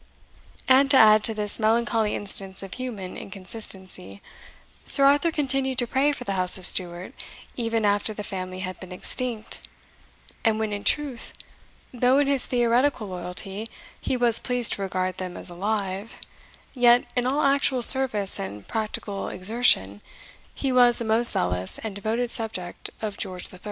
And to add to this melancholy instance of human inconsistency, Sir Arthur continued to pray for the House of Stuart even after the family had been extinct, and when, in truth, though in his theoretical loyalty he was pleased to regard them as alive, yet, in all actual service and practical exertion, he was a most zealous and devoted subject of George III.